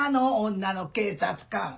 女の警察官。